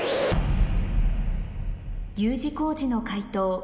Ｕ字工事の解答